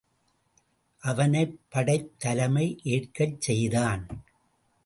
அவனைப் படைத் தலைமை ஏற்கச் செய்தான்.